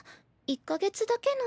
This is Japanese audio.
１か月だけの。